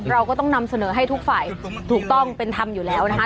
เราก็ต้องนำเสนอให้ทุกฝ่ายถูกต้องเป็นธรรมอยู่แล้วนะคะ